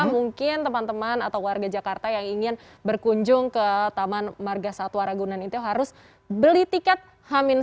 mungkin teman teman atau warga jakarta yang ingin berkunjung ke taman marga satwa ragunan itu harus beli tiket hamin satu